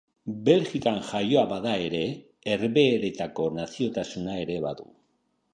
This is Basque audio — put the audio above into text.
Belgikan jaioa bada ere, Herbeheretako naziotasuna ere badu.